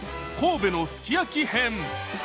神戸のすきやき編。